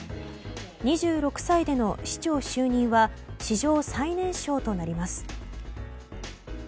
２６歳での市長就任は史上最年少となります。